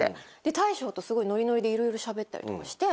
大将とすごいノリノリでいろいろしゃべったりとかして。